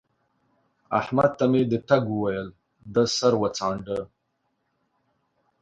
احمد ته مې د تګ وويل؛ ده سر وڅانډه